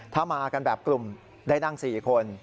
ถ้ามากันแบบกลุ่มได้นั่ง๔คน